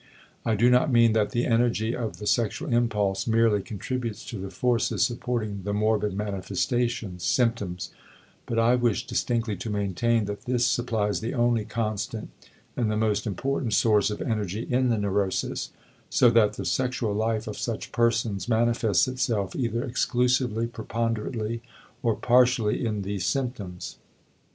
I do not mean that the energy of the sexual impulse merely contributes to the forces supporting the morbid manifestations (symptoms), but I wish distinctly to maintain that this supplies the only constant and the most important source of energy in the neurosis, so that the sexual life of such persons manifests itself either exclusively, preponderately, or partially in these symptoms.